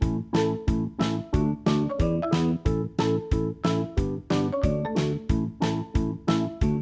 ทุกทีกากลับมาดูกัน